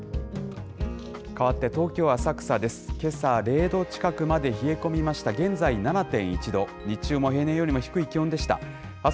かわって、東京・浅草です。